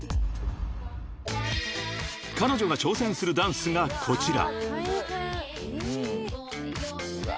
［彼女が挑戦するダンスがこちら］